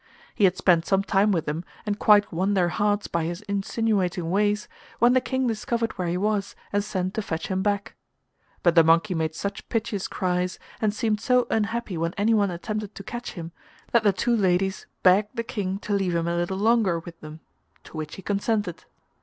He had spent some time with them and quite won their hearts by his insinuating ways, when the King discovered where he was and sent to fetch him back. But the monkey made such piteous cries, and seemed so unhappy when anyone attempted to catch him, that the two ladies begged the King to leave him a little longer with them, to which he consented.